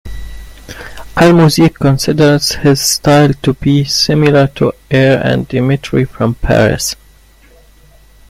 Allmusic considers his style to be similar to Air and Dimitri from Paris.